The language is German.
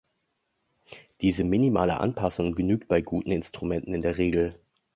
Diese minimale Anpassung genügt bei guten Instrumenten in der Regel.